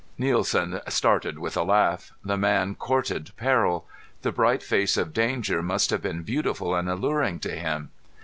Nielsen started with a laugh. The man courted peril. The bright face of danger must have been beautiful and alluring to him.